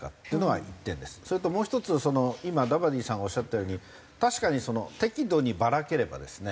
それともう１つ今ダバディさんがおっしゃったように確かに適度にバラければですね